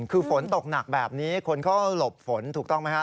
คือฝนตกหนักแบบนี้คนเขาหลบฝนถูกต้องไหมฮะ